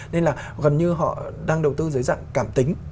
nên là gần như họ đang đầu tư dưới dạng cảm tính